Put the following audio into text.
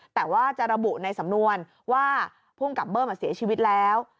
แต่ว่าจะระบุในสำนวนว่าภูมิกับเบิ้มเสียชีวิตแล้ว